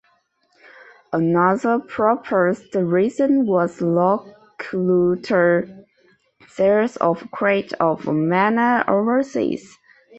Another proposed reason was lackluster sales of "Secret of Mana" overseas.